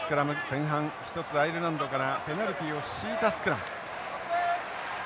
前半一つアイルランドからペナルティを強いたスクラム。